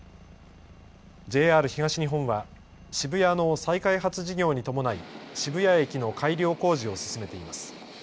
ＪＲ東日本は渋谷の再開発事業に伴い渋谷駅の改良工事を進めています。